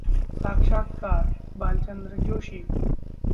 साक्षात्कारः Bhalchandra Joshi